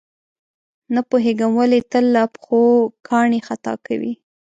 نه پوهېږم ولې تل له پښو کاڼي خطا کوي.